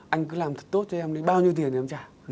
anh cứ làm thật tốt cho em đi bao nhiêu tiền thì em trả